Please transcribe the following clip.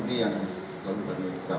ini yang kami ucapkan